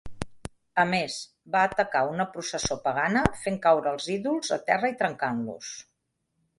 A més, va atacar una processó pagana, fent caure els ídols a terra i trencant-los.